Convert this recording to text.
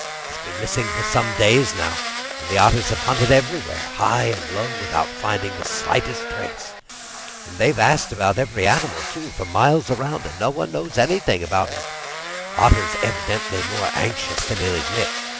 "He's been missing for some days now, and the Otters have hunted everywhere, high and low, without finding the slightest trace. And they've asked every animal, too, for miles around, and no one knows anything about him. Otter's evidently more anxious than he'll admit.